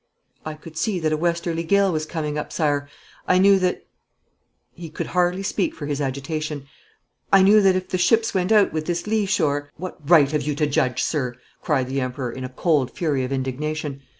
'I could see that a westerly gale was coming up, Sire. I knew that ,' he could hardly speak for his agitation, 'I knew that if the ships went out with this lee shore ' 'What right have you to judge, sir?' cried the Emperor, in a cold fury of indignation.